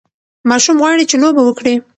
ماشوم غواړي چې لوبه وکړي.